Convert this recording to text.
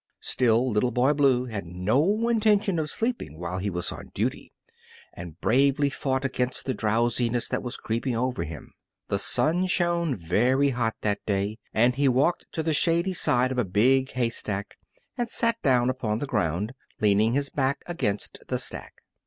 Still, Little Boy Blue had no intention of sleeping while he was on duty, and bravely fought against the drowsiness that was creeping over him. The sun shone very hot that day, and he walked to the shady side of a big haystack and sat down upon the ground, leaning his back against the stack.